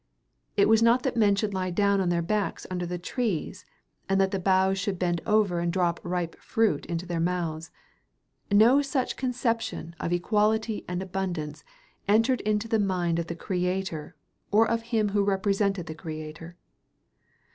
It was not that men should lie down on their backs under the trees, and that the boughs should bend over and drop the ripe fruit into their mouths. No such conception of equality and abundance entered into the mind of the Creator or of Him who represented the Creator.